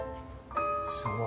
すごい。